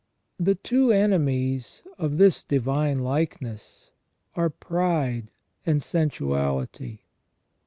The two enemies of this divine likeness are pride and sensuality.